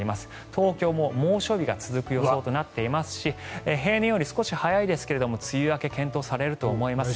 東京も猛暑日が続く予想となっていますし平年より少し早いですけれども梅雨明け検討されると思います。